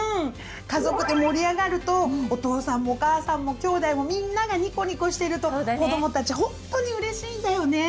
家族で盛り上がるとお父さんもお母さんもきょうだいもみんながニコニコしてると子どもたちほんとにうれしいんだよね！